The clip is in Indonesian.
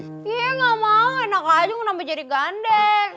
iya gak mau enak aja mau nambah jadi gandeng